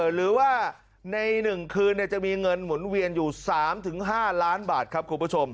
หรือว่าใน๑คืนจะมีเงินหมุนเวียนอยู่๓๕ล้านบาทครับคุณผู้ชม